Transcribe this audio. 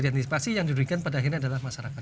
diantisipasi yang diberikan pada akhirnya adalah masyarakat